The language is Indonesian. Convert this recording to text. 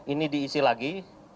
ini diisi lagi